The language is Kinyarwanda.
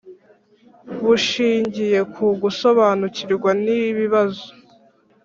Bushingiye ku gusobanukirwa n ibibazo